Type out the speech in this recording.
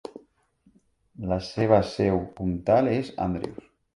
La seva seu comtal és Andrews.